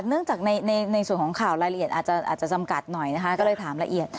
เนื่องจากในส่วนของข่าวรายละเอียดอาจจะจำกัดหน่อยนะคะก็เลยถามละเอียด